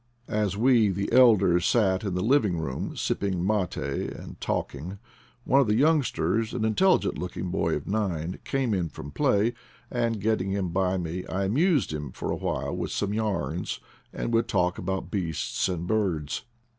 As we, the elders, sat in the living room, sipping mate and talking, one of the youngsters, an intel ligent looking boy of nine, came in from play, and getting him by me I amused him for a while with some yarns and with talk about beasts and birds.